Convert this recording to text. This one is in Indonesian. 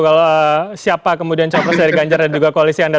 kalau siapa kemudian capres dari ganjar dan juga koalisi anda